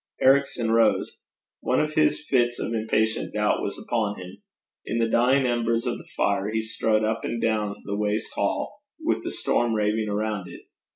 Ericson rose. One of his fits of impatient doubt was upon him. In the dying embers of the fire he strode up and down the waste hall, with the storm raving around it.